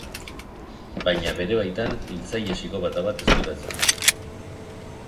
Baina bete baitan hiltzaile psikopata bat ezkutatzen da.